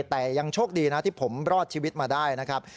แต่ยังโชคดีนะที่ผมรอดชีวิตมาได้นะครับ